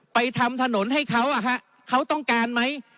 ไปทำถนนให้เขาอะฮะเขาต้องการมั้ย